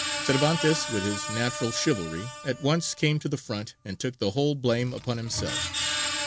Cervantes, with his natural chivalry, at once came to the front and took the whole blame upon himself.